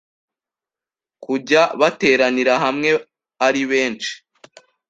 kujya bateranira hamwe ari benshi